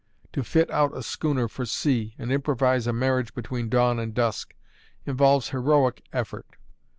To fit out a schooner for sea, and improvise a marriage between dawn and dusk, involves heroic effort.